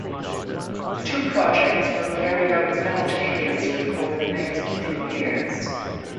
The two projects were carried out simultaneously over the next two years.